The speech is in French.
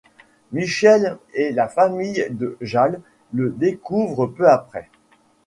Michelle et la famille de Jal le découvrent peu après.